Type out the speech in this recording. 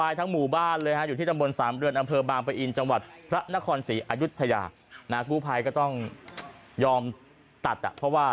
ยอมตัดเพราะว่า